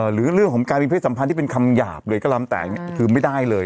หรือเรื่องของการมีเพศสัมพันธ์ที่เป็นคำหยาบเลยก็แล้วแต่คือไม่ได้เลย